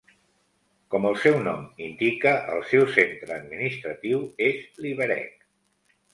Com el seu nom indica, el seu centre administratiu és Liberec.